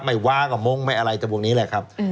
ไม่ว้ากมงก์ไม่อะไรแต่พวกนี้แหละครับอืม